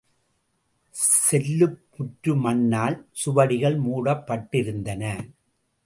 செல்லுப் புற்று மண்ணால் சுவடிகள் மூடப்பட்டிருந்தன.